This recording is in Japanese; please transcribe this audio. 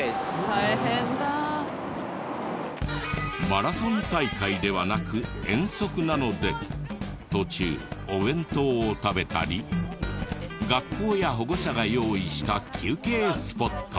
マラソン大会ではなく遠足なので途中お弁当を食べたり学校や保護者が用意した休憩スポットも。